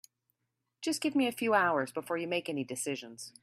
Just give me a few hours before you make any decisions.